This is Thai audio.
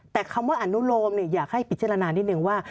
แต่คำว่าอนุโลมอยากให้พิจารณานิดนึงว่า